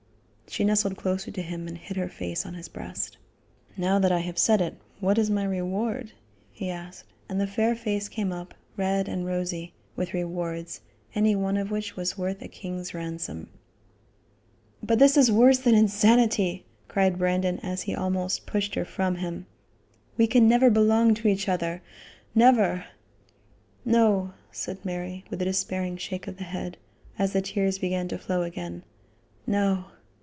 She nestled closer to him and hid her face on his breast. "Now that I have said it, what is my reward?" he asked and the fair face came up, red and rosy, with "rewards," any one of which was worth a king's ransom. "But this is worse than insanity," cried Brandon, as he almost pushed her from him. "We can never belong to each other; never." "No," said Mary, with a despairing shake of the head, as the tears began to flow again; "no!